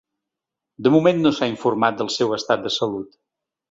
De moment, no s’ha informat del seu estat de salut.